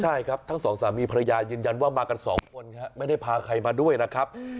ใช่ครับทั้งสองสามีภรรยายืนยันว่ามากันสองคนครับไม่ได้พาใครมาด้วยนะครับ